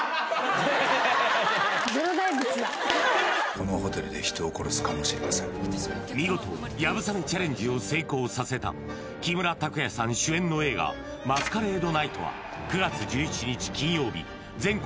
このホテルで人を殺すかもしれません見事流鏑馬チャレンジを成功させた木村拓哉さん主演の映画「マスカレード・ナイト」は９月１７日金曜日全国